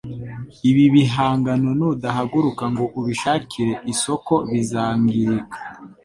Ibi bihangano nudahaguruka ngo ubishakire isoko bizangirika